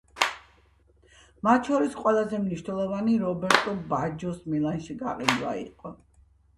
მათ შორის ყველაზე მნიშვნელოვანი რობერტო ბაჯოს მილანში გაყიდვა იყო.